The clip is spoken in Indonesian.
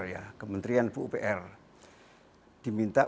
diminta untuk mencari masjid yang lebih luas yang lebih luas